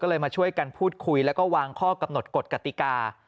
ก็เลยมาช่วยกันพูดคุยแล้วก็วางข้อกำหนดกฎกติกา